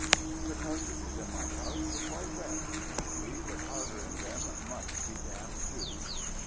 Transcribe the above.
_ The cartridges in my pouch were quite wet. I believe the powder in them must be damp, too."